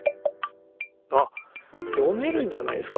あっ読めるんじゃないですかこれ。